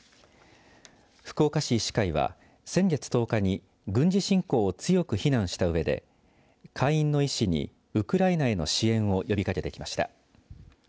福岡市医師会は先月１０日に軍事侵攻を強く非難したうえで会員の医師にウクライナへの支援を呼びかけてきました。